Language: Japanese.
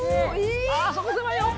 あそこせまいよ！